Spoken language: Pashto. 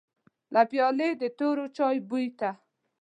له پيالې د تورو چايو بوی ته.